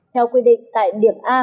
theo quy định tại điểm a